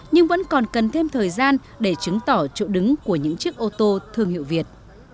nhưng vẫn còn cần thêm thời gian để chứng tỏ chỗ đứng của những chiếc ô tô thương hiệu việt